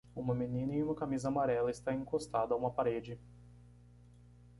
Uma menina em uma camisa amarela está encostada a uma parede.